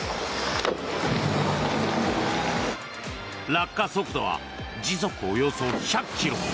落下速度は時速およそ１００キロ。